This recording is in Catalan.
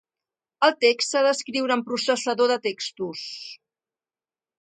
El text s'ha d'escriure amb processador de textos.